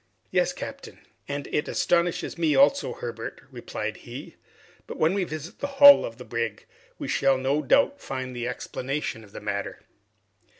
"Yes, captain." "And it astonishes me also, Herbert," replied he, "but when we visit the hull of the brig, we shall no doubt find the explanation of the matter."